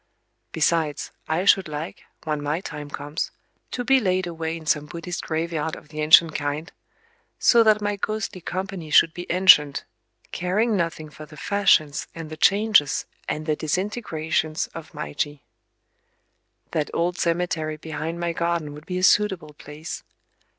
Besides, I should like, when my time comes, to be laid away in some Buddhist graveyard of the ancient kind,—so that my ghostly company should be ancient, caring nothing for the fashions and the changes and the disintegrations of Meiji (1). That old cemetery behind my garden would be a suitable place.